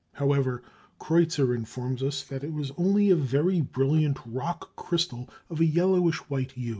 However, Creuzer informs us that it was only a very brilliant rock crystal of a yellowish white hue.